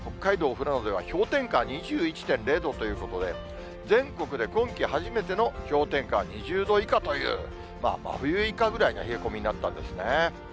富良野では氷点下２１．０度ということで、全国で今季初めての氷点下２０度以下という、真冬以下ぐらいな冷え込みになったんですね。